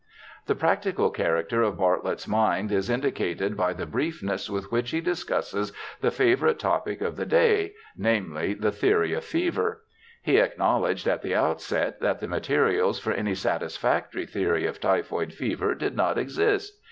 The practical character of Bartlett's mind is indicated by the briefness with which he discusses the favourite K 2 132 BIOGRAPHICAL ESSAYS topic of the day, namely the theory of fever. He acknowledged at the outset that the materials for any satisfactory theory of typhoid fever did not exist.